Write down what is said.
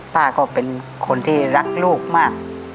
ก็เป็นคนที่รักลูกมาก